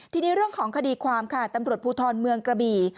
ทีนี้เรื่องของคดีความค่ะตำรวจภูทรเมืองกระบี่